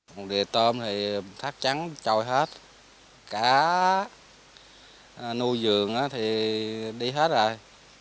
một đề tôm thì thác trắng trôi hết cá nuôi dường thì đi hết rồi